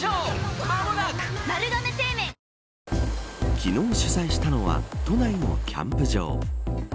昨日取材したのは都内のキャンプ場。